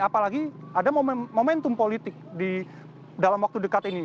apalagi ada momentum politik dalam waktu dekat ini